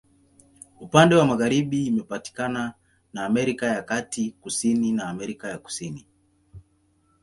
Upande wa magharibi imepakana na Amerika ya Kati, kusini na Amerika ya Kusini.